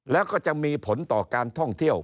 แล้วก็จะมีผลต่อการท่องเที่ยว